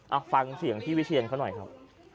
เอาฟังเสียงพี่วิเชียนเขาหน่อยครับ